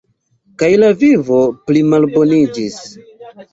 Kaj la vivo plimalboniĝis.